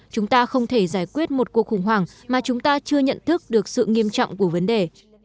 chúng ta không thể giải quyết một cuộc khủng hoảng mà chúng ta chưa nhận thức được sự nghiêm trọng của vấn đề